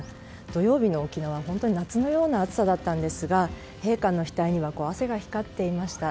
土曜日の沖縄は夏のような暑さだったんですが陛下の額には汗が光っていました。